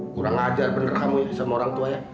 kurang ajar bener kamu sama orang tua ya